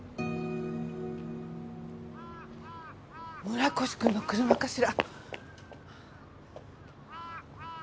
村越くんの車かしら？